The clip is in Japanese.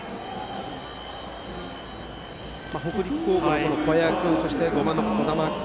北陸高校の小矢君そして５番、児玉君